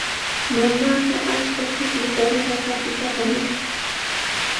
Mamaaqa achka chuqllutami raqrapita apamushqa.